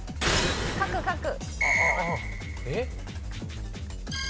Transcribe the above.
書く書く！